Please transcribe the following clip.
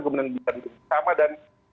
kebenaran bidang itu sama dan